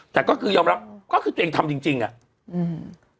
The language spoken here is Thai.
แต่ก็คือยอมรับก็คือตัวเองทำจริงจริงอ่ะอืม